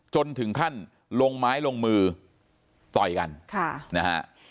จนถึงขั้นลงไม้ลงมือต่อยกันค่ะนะฮะ